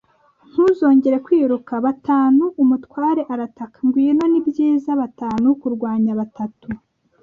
ntuzongere kwiruka. ” “Batanu!” umutware arataka. “Ngwino, ni byiza. Batanu kurwanya batatu